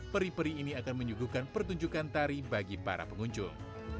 peri peri ini akan menyuguhkan pertunjukan tari bagi para pengunjung